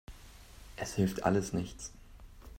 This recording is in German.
Es hilft alles nichts.